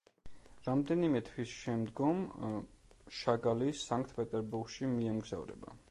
რამდენიმე თვის შემდგომ შაგალი სანქტ-პეტერბურგში მიემგზავრება.